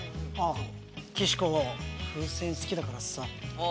岸子が風船好きだからさ。